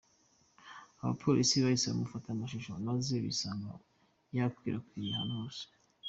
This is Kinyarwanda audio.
Aba bapolisi bahise bamufata amashusho maze bisanga yakwirakwiriye ahantu hose.